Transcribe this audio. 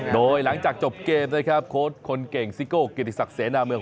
โดยหลังจากจบเกมนะครับโค้ดคนเก่งซิโก้เกียรติศักดิเสนาเมือง